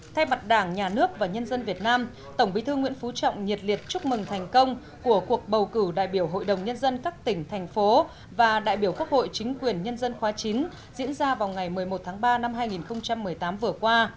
thay mặt đảng nhà nước và nhân dân việt nam tổng bí thư nguyễn phú trọng nhiệt liệt chúc mừng thành công của cuộc bầu cử đại biểu hội đồng nhân dân các tỉnh thành phố và đại biểu quốc hội chính quyền nhân dân khóa chín diễn ra vào ngày một mươi một tháng ba năm hai nghìn một mươi tám vừa qua